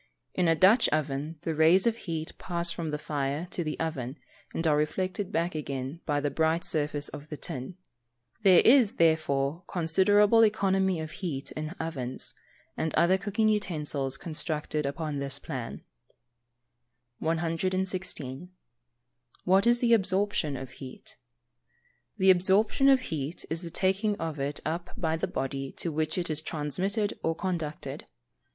In a Dutch oven the rays of heat pass from the fire to the oven, and are reflected back again by the bright surface of the tin. There is, therefore, considerable economy of heat in ovens, and other cooking utensils constructed upon this plan. 116. What is the Absorption of heat? The absorption of heat is the taking of it up by the body to which it is transmitted or conducted.